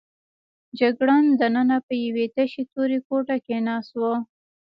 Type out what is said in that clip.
جګړن دننه په یوې تشې تورې کوټې کې ناست و.